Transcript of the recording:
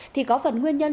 thì có phần nguyên nhân